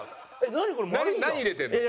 何入れてるの？